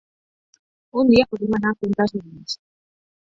Un dia podem anar a fer un tast de vins.